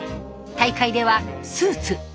大会ではスーツ。